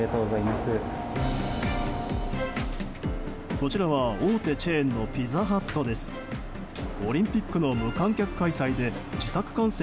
こちらは大手チェーンのピザハットです。